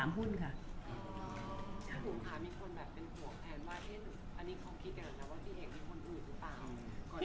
มีคนเป็นห่วงแทนว่าพี่เอกมีคนอื่นหรือเปล่า